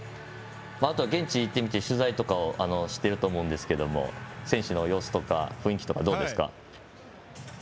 あとは現地行ってみて取材とかしてると思うんですが選手の様子とか雰囲気どうですか。